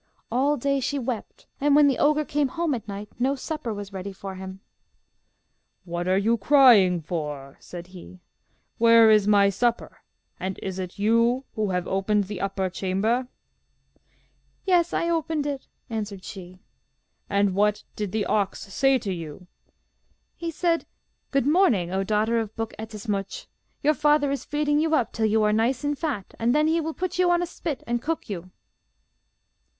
All day she wept, and when the ogre came home at night, no supper was ready for him. 'What are you crying for?' said he. 'Where is my supper, and is it you who have opened the upper chamber?' 'Yes, I opened it,' answered she. 'And what did the ox say to you?' 'He said, "Good morning, O daughter of Buk Ettemsuch. Your father is feeding you up till you are nice and fat, and then he will put you on a spit and cook you."